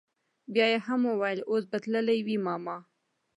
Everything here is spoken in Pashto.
بيا يې هم وويل اوس به تلي وي ماما.